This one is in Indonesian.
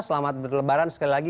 selamat berlebaran sekali lagi